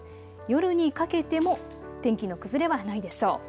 夜にかけても天気の崩れはないでしょう。